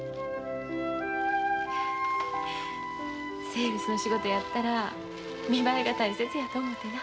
セールスの仕事やったら見栄えが大切やと思てな。